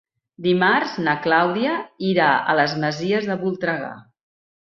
Dimarts na Clàudia irà a les Masies de Voltregà.